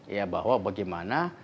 ya bahwa bagaimana